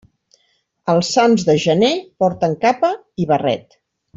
Els sants de gener porten capa i barret.